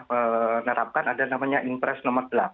menerapkan ada namanya impres nomor delapan